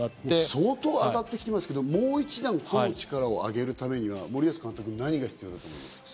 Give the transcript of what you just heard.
相当上がってますけど、もう一段、個の力を上げるためには、森保監督、何が必要だと思いますか？